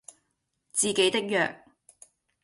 自己的弱